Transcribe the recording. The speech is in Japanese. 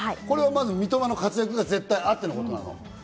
三笘の活躍が絶対あってのことなの。